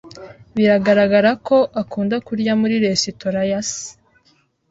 Biragaragara ko akunda kurya muri resitora ya se.